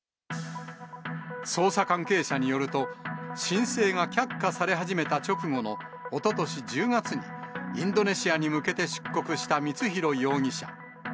捜査関係者によると、申請が却下され始めた直後のおととし１０月に、インドネシアに向けて出国した光弘容疑者。